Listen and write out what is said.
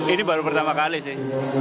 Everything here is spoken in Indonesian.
ini baru pertama kali sih